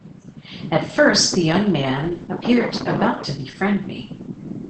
At first the young man appeared about to befriend me.